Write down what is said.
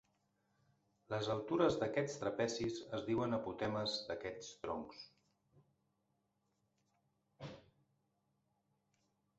Les altures d'aquests trapezis es diuen apotemes d'aquests troncs.